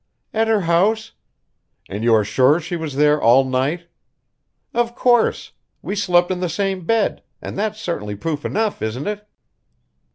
"At her house." "And you are sure she was there all night?" "Of course! We slept in the same bed and that's certainly proof enough, isn't it?"